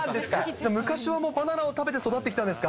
じゃあ昔はバナナを食べて育ってきたんですか。